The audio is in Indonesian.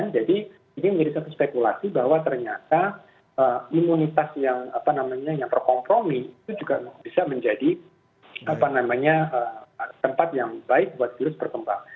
jadi ini menjadi satu spekulasi bahwa ternyata imunitas yang apa namanya yang berkompromi itu juga bisa menjadi apa namanya tempat yang baik buat virus bertempat